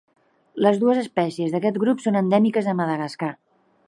Les dues espècies d'aquest grup són endèmiques de Madagascar.